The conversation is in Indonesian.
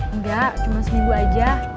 enggak cuma seminggu aja